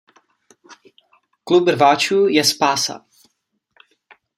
Klub rváčů je spása!